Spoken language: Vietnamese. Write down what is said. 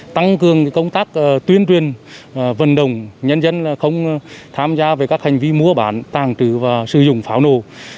tăng cường công tác tuyên truyền vận động nhân dân không tham gia về các hành vi mua bán tàng trữ và sử dụng pháo nổ